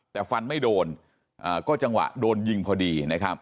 แต่ฟันไม่โดนก็จังหวะโดนยิงพอดีนะครับ